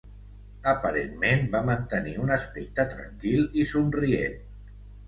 Aparentment, va mantenir un aspecte tranquil i somrient.